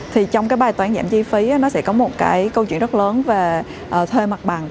thì trong cái bài toán giảm chi phí nó sẽ có một cái câu chuyện rất lớn về thuê mặt bằng